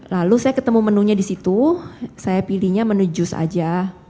lalu saya ketemu menunya di situ saya pilihnya menu jus aja